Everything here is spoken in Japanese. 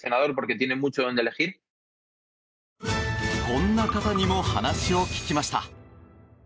こんな方にも話を聞きました。